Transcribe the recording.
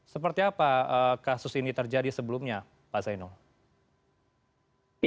seperti apa kasus ini terjadi sebelumnya pak zainul